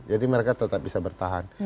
jadi mereka tetap bisa bertahan